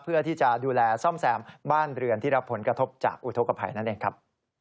เพื่อที่จะดูแลซ่อมแซมบ้านเรือนที่รับผลกระทบจากอุทธกภัยนั่นเองครับ